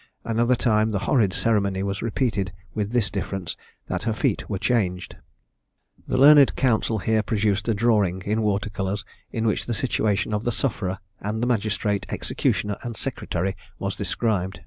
Another time the horrid ceremony was repeated, with this difference, that her feet were changed. [The learned counsel here produced a drawing in water colours, in which the situation of the sufferer, and the magistrate, executioner, and secretary, was described.